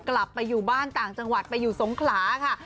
กลับไปอยู่บ้านต่างจังหวัดไปอยู่สงขลาค่ะ